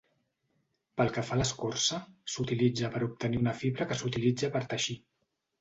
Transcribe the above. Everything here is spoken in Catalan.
Pel que fa a l'escorça, s'utilitza per obtenir una fibra que s'utilitza per teixir.